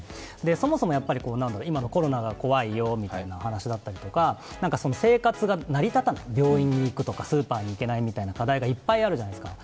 そもそも今のコロナが怖いよみたいな話だったりとか生活が成り立たない、病院に行くとかスーパーに行けないみたいな課題がいっぱいあるじゃないですか。